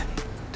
mau kemana dia